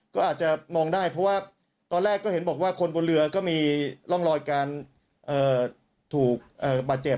ก็อาจจะมองได้เพราะว่าตอนแรกก็เห็นบอกว่าคนบนเรือก็มีร่องรอยการถูกบาดเจ็บ